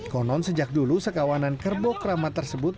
konon sejak dulu sekawanan kerbau keramat tersebut